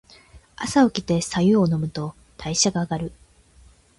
朝おきて白湯を飲むと代謝が上がる。